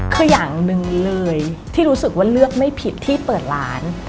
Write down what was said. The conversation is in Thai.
คืออย่างหนึ่งเลยที่รู้สึกว่าเลือกไม่ผิดที่เปิดร้าน